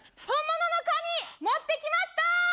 本物のカニ持って来ました！